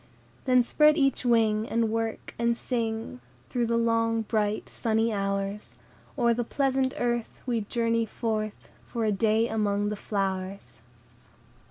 Then spread each wing, And work, and sing, Through the long, bright sunny hours; O'er the pleasant earth We journey forth, For a day among the flowers!"